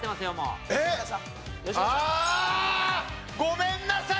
ごめんなさい。